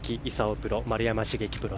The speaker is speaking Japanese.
プロ、丸山茂樹プロ